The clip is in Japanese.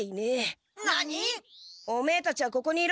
オメエたちはここにいろ。